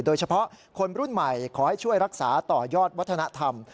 คนรุ่นใหม่ขอให้ช่วยรักษาต่อยอดวัฒนธรรม